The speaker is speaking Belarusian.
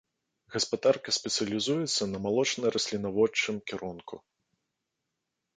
Гаспадарка спецыялізуецца на малочна-раслінаводчым кірунку.